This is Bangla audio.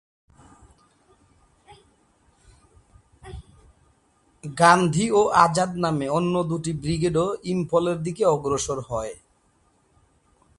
গান্ধী ও আজাদ নামে অন্য দুটি ব্রিগেডও ইমফলের দিকে অগ্রসর হয়।